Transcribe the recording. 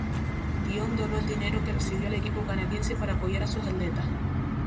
Dion donó el dinero que recibió al equipo canadiense para apoyar a sus atletas.